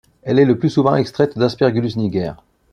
Elle est le plus souvent extraite d'Aspergillus niger.